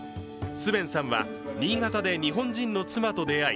スヴェンさんは新潟で日本人の妻と出会い